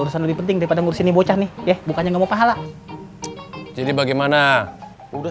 urusan lebih penting daripada ngurusin bocah nih ya bukannya kamu pahala jadi bagaimana udah